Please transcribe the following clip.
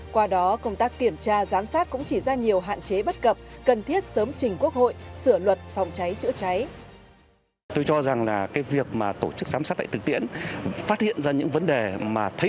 qua đó công tác kiểm tra giám sát cũng chỉ ra nhiều hạn chế bất cập cần thiết sớm trình quốc hội sửa luật phòng cháy chữa cháy